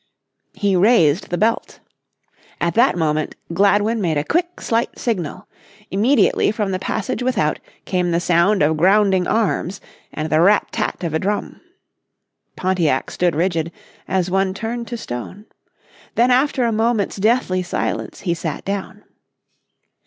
He raised the belt. At that moment Gladwin made a quick, slight signal. Immediately from the passage with out came the sound of grounding arms, and the rat tat of a drum. Pontiac stood rigid, as one turned to stone. Then after a moment's deathly silence he sat down.